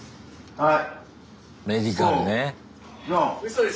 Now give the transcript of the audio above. はい！